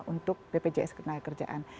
untuk bpjs ketenagakerjaan